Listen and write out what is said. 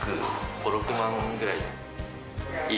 ５、６万ぐらい。